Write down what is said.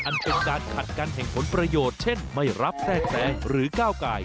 อันเป็นการขัดกันแห่งผลประโยชน์เช่นไม่รับแทรกแซงหรือก้าวกาย